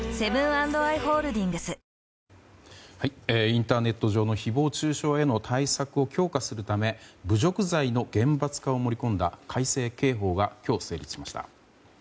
インターネット上の誹謗中傷への対策を強化するため侮辱罪の厳罰化を盛り込んだ改正刑法が今日成立しました。